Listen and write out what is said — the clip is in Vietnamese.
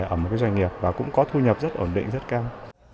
ở một doanh nghiệp và cũng có thu nhập rất ổn định rất cao